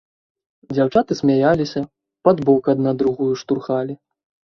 Дзяўчаты смяяліся, пад бок адна другую штурхалі.